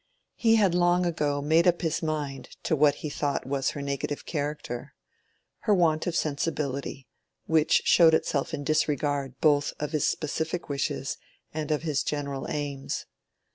He had long ago made up his mind to what he thought was her negative character—her want of sensibility, which showed itself in disregard both of his specific wishes and of his general aims.